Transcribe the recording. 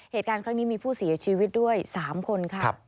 เหตุการณ์ครั้งนี้มีผู้เสียชีวิตด้วย๓คนค่ะ